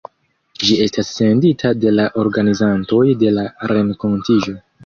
Ĝi estas sendita de la organizantoj de la renkontiĝo.